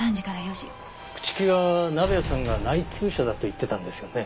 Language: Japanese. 朽木は鍋谷さんが内通者だと言ってたんですよね？